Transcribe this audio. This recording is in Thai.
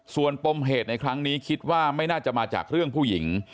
ส่วนปมเหตุในครั้งนี้คิดว่าไม่น่าจะมาจากเรื่องผู้หญิง